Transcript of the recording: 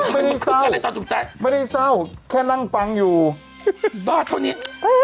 สองก็ดีละไม่ได้เศร้าไม่ได้เศร้าแค่นั่งปังอยู่บ้าเท่านี้